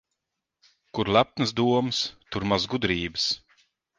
Kur lepnas domas, tur maz gudrības.